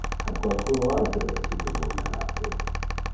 Ha qualcuno altere essite vulnerate?